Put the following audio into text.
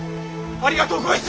ありがとうごいす！